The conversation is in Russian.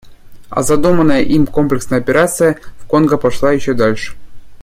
А задуманная им комплексная операция в Конго пошла еще дальше.